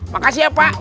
makasih ya pak